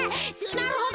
なるほど。